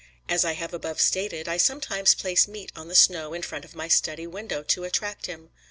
As I have above stated, I sometimes place meat on the snow in front of my study window to attract him.